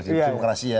di demokrasi ya